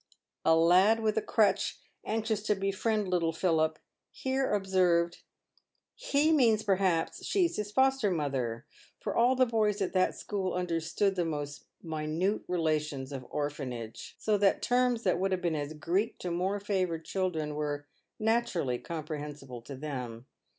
A lad with a crutch, anxious to befriend little Philip, here ob served :" He means, perhaps, she's his foster mother" — for all the boys at that school understood the most minute relations of orphan 50 PAVED WITH GOLD. age, so that terms that would have been as Greek to more favoured children were naturally comprehensible to them.